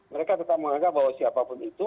mereka tetap menganggap bahwa siapapun itu